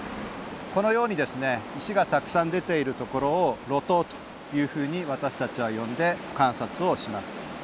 このようにですね石がたくさん出ているところを露頭というふうに私たちは呼んで観察をします。